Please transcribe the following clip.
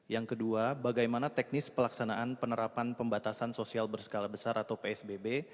yang kedua bagaimana teknis pelaksanaan penerapan pembatasan sosial berskala besar atau psbb